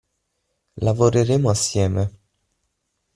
Lavoreremo assieme.